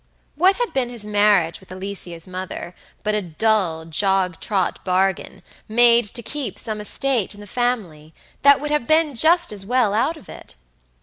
What had been his marriage with Alicia's mother but a dull, jog trot bargain made to keep some estate in the family that would have been just as well out of it?